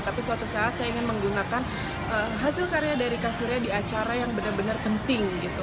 tapi suatu saat saya ingin menggunakan hasil karya dari kak surya di acara yang benar benar penting gitu